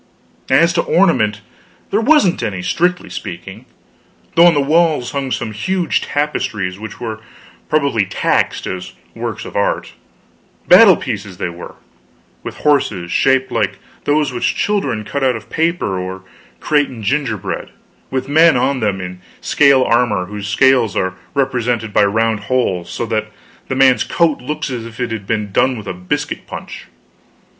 As to ornament, there wasn't any, strictly speaking; though on the walls hung some huge tapestries which were probably taxed as works of art; battle pieces, they were, with horses shaped like those which children cut out of paper or create in gingerbread; with men on them in scale armor whose scales are represented by round holes so that the man's coat looks as if it had been done with a biscuit punch.